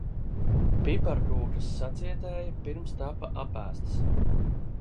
Piparkūkas sacietēja, pirms tapa apēstas.